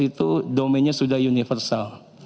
itu domainnya sudah universal